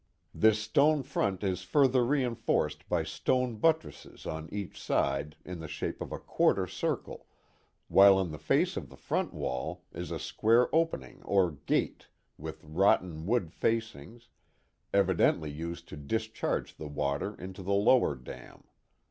This stone front is further reinforced by stone buttresses on each Old Indian Names and Sites 355 side in the shape of a quarter circle, while in the face of the front wall is a square opening or gate with rotten wood facings, evidently used to discharge the water into the lower dam.